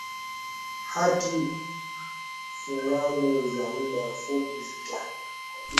hati fungani za muda mfupi zitawekwa kwa kila watoa huduma